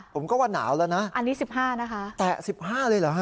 ผมก็ว่าหนาวแล้วนะอันนี้สิบห้านะคะแตะสิบห้าเลยเหรอฮะ